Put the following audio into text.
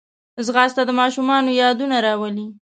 ځغاسته د ماشومتوب یادونه راولي